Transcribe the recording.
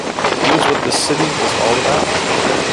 He was what the city was all about.